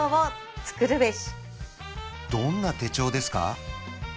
どんな手帳ですか？